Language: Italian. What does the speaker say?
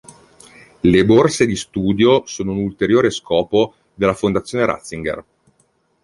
Le borse di studio sono un ulteriore scopo della Fondazione Ratzinger.